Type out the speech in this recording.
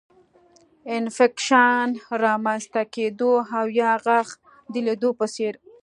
انفکشن رامنځته کېدو او یا غاښ د لوېدو په څېر